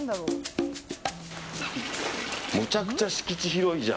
むちゃくちゃ敷地広いじゃん。